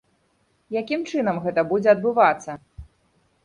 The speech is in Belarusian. Якім чынам гэта будзе адбывацца?